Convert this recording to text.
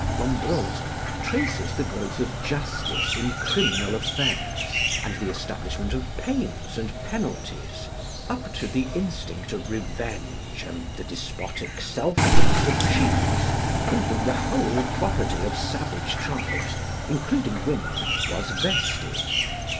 Lombroso traces the growth of justice in criminal affairs, and the establishment of pains and penalties, up to the instinct of revenge and the despotic selfishness of chiefs in whom the whole property of savage tribes, including women, was vested.